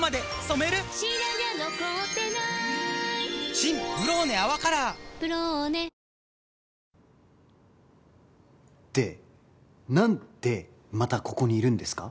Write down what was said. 新「ブローネ泡カラー」「ブローネ」で何でまたここにいるんですか？